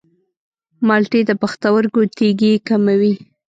مالټې د پښتورګو تیږې کموي.